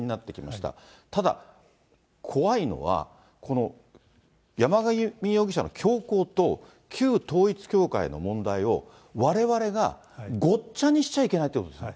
ただ、怖いのは、この山上容疑者の凶行と、旧統一教会の問題を、われわれがごっちゃにしちゃいけないってことですよね。